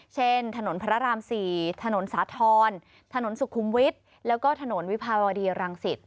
ถนนพระราม๔ถนนสาธรณ์ถนนสุขุมวิทย์แล้วก็ถนนวิภาวดีรังสิต